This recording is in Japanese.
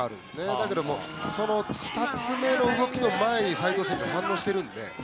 だけど、その２つ目の前に斎藤選手が反応しているので。